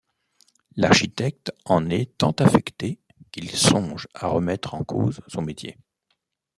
L'architecte en est tant affecté qu'il songe à remettre en cause son métier.